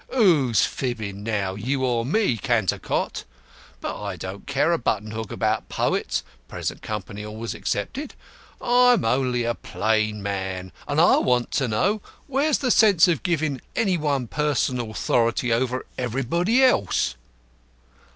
"Who's fribbling now, you or me, Cantercot? But I don't care a button hook about poets, present company always excepted. I'm only a plain man, and I want to know where's the sense of givin' any one person authority over everybody else?"